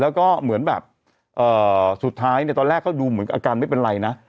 แล้วก็เหมือนแบบสุดท้ายเนี่ยตอนแรกเขาดูเหมือนอาการไม่เป็นไรนะ